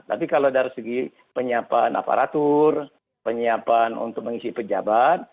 tapi kalau dari segi penyiapan aparatur penyiapan untuk mengisi pejabat